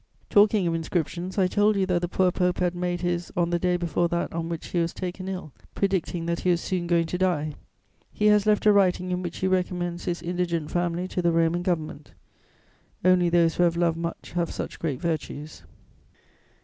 "Talking of inscriptions, I told you that the poor Pope had made his on the day before that on which he was taken ill, predicting that he was soon going to die. He has left a writing in which he recommends his indigent family to the Roman Government: only those who have loved much have such great virtues."